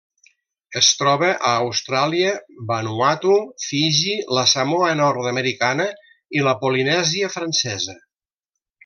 Es troba a Austràlia, Vanuatu, Fiji, la Samoa Nord-americana i la Polinèsia Francesa.